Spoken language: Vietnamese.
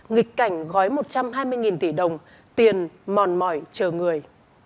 nghịch cảnh gói một trăm hai mươi tỷ đồng tiền mòn mỏi chờ người